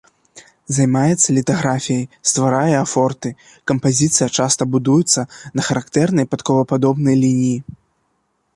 Займаецца літаграфіяй, стварае афорты, кампазіцыя часта будуецца на характэрнай падковападобнай лініі.